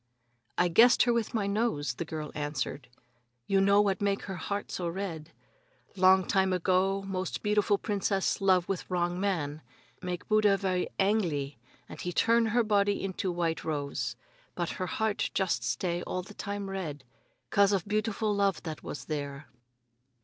"I guessed her with my nose," the girl answered. "You know what make her heart so red? Long time ago, most beautiful princess love with wrong man. Make Buddha ve'y angly, and he turn her body into white rose. But her heart just stay all time red 'cause of beautiful love that was there."